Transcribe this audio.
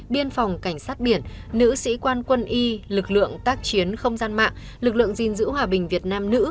biên phòng cảnh sát biển nữ sĩ quan quân y lực lượng tác chiến không gian mạng lực lượng gìn giữ hòa bình việt nam nữ